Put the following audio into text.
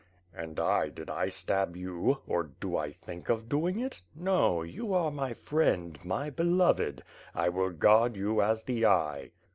"And I, did I stab you? or do I think of doing it? No, you are my friend, my beloved. I will guard you as the eye."